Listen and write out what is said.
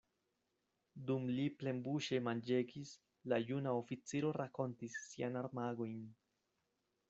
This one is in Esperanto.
Dum li plenbuŝe manĝegis, la juna oficiro rakontis siajn armagojn.